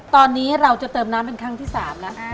ตอนนี้เราจะเติมน้ำเป็นครั้งที่๓แล้ว